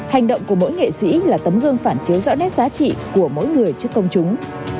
hành động của mỗi nghệ sĩ là tấm gương phản chiếu rõ nét giá trị của mỗi người trước công chúng